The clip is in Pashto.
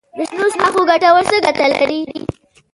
د شنو ساحو جوړول څه ګټه لري؟